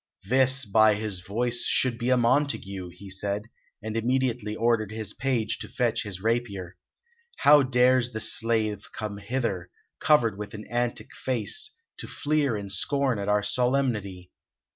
"This, by his voice, should be a Montague," he said, and immediately ordered his page to fetch his rapier. "How dares the slave come hither, covered with an antic face, to fleer and scorn at our solemnity?